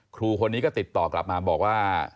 ครูคนนี้ก็ติดต่อกลับมาบอกว่า